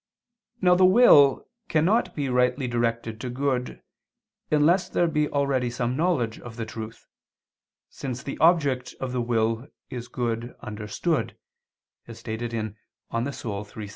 Now the will cannot be rightly directed to good, unless there be already some knowledge of the truth, since the object of the will is good understood, as stated in De Anima iii, 7.